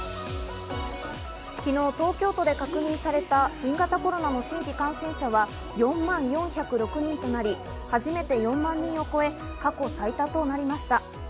昨日、東京都で確認された新型コロナの新規感染者は４万４０６人となり、初めて４万人を超え、過去最多となりました。